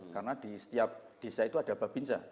karena di setiap desa itu ada babinsa